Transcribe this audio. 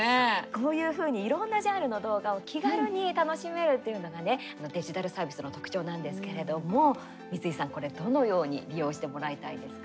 こういうふうにいろんなジャンルの動画を気軽に楽しめるっていうのがねデジタルサービスの特徴なんですけれども三井さん、これどのように利用してもらいたいですか？